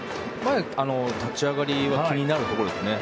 立ち上がりは気になるところですね。